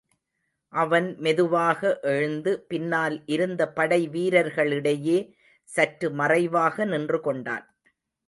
அவன் மெதுவாக எழுந்து, பின்னால் இருந்த படை வீரர்களிடையே சற்று மறைவாக நின்று கொண்டான்.